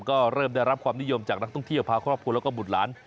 ก็เริ่มได้รับความนิยมจากนักท่องเที่ยวพาครอบครัวแล้วก็บุตรหลาน